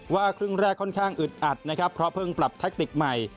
ว่าครึ่งแรกค่อนข้างอึดอัดนะครับเพราะเพิ่งปรับแท็กติกใหม่